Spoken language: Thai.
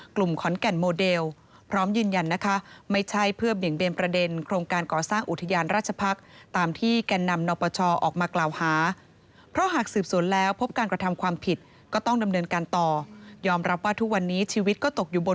ขอนแก่นโมเดลพร้อมยืนยันนะคะไม่ใช่เพื่อเบี่ยงเบียนประเด็นโครงการก่อสร้างอุทยานราชพักษ์ตามที่แก่นำนปชออกมากล่าวหาเพราะหากสืบสวนแล้วพบการกระทำความผิดก็ต้องดำเนินการต่อยอมรับว่าทุกวันนี้ชีวิตก็ตกอยู่บน